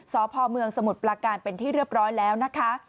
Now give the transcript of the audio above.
สพเมืองสมุทรปลาการเป็นที่เรียบร้อยแล้วนะคะ